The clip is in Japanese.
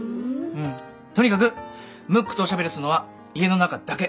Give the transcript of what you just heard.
うんとにかくムックとおしゃべりするのは家の中だけ。